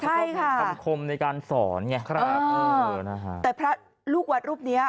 ใช่ค่ะคำคมในการสอนไงครับเออนะฮะแต่พระลูกวัดรูปเนี้ย